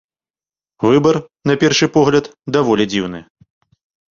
Выбар, на першы погляд, даволі дзіўны.